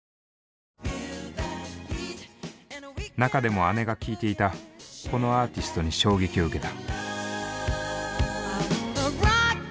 中でも姉が聴いていたこのアーティストに衝撃を受けた。